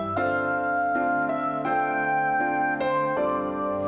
ma aku mau pergi